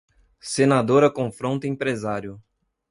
Senadora confronta empresário